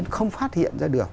không phát hiện ra được